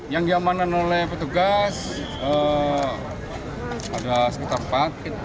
yang diamankan oleh petugas ada sekitar empat